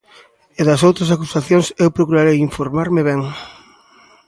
E das outras acusacións eu procurarei informarme ben.